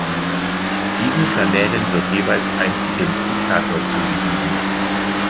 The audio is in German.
Diesen Kanälen wird jeweils ein Identifikator zugewiesen.